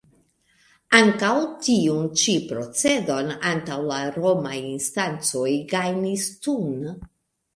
Ankaŭ tiun ĉi procedon antaŭ la romaj instancoj gajnis Thun.